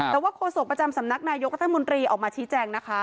แต่ว่าโฆษกประจำสำนักนายกรัฐมนตรีออกมาชี้แจงนะคะ